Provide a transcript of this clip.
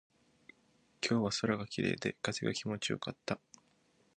今日は空が綺麗で、風が気持ちよかった。